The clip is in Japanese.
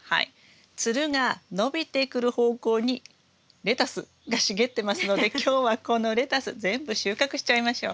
つるが伸びてくる方向にレタスが茂ってますので今日はこのレタス全部収穫しちゃいましょう。